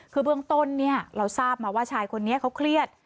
คือเบื้องต้นเนี่ยเราทราบมาว่าชายคนนี้เขาเครียด